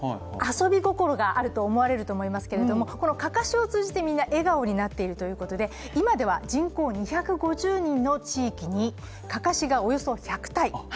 遊び心があると思われると思いますけれども、かかしを通じて、みんな笑顔になっているということで今では人口２５０人の地域にかかしがおよそ１００体。